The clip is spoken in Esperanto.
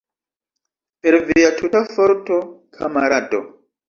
Per via tuta forto, kamarado!